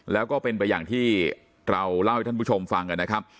แล้วก็เป็นไปอย่างที่เราเล่าให้ท่านผู้ชมฟังนะครับ